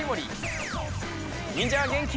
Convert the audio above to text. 忍者元気！